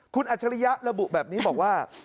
คุณอัจฉริยะระบุแบบนี้บอกว่า